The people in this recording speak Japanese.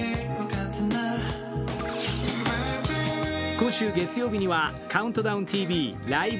今週月曜日には「ＣＤＴＶライブ！